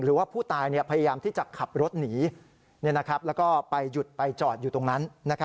หรือว่าผู้ตายพยายามที่จะขับรถหนีแล้วก็ไปหยุดไปจอดอยู่ตรงนั้น